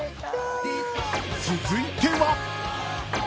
［続いては］